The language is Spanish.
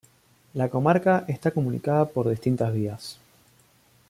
La comarca está comunicada por distintas vías.